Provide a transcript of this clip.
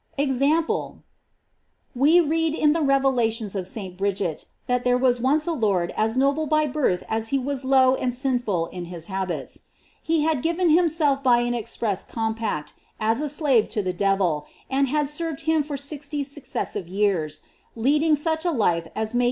EXAMPLE We read in the revelations of St. Bridget,* that there was once a lord as noble by birth as he was low and sinful in his habits. He had given himself by an express compact as a slave to the devil, and had served him for sixty years, leading such a life as may * L.